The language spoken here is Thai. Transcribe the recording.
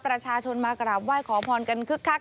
ประชาชนมากราบไหว้ขอพรกันคึกคัก